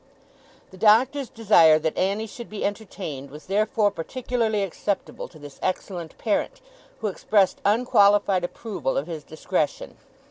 The Doctor's desire that Annie should be entertained, was therefore particularly acceptable to this excellent parent; who expressed unqualified approval of his discretion.